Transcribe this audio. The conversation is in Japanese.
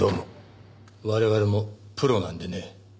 我々もプロなんでね。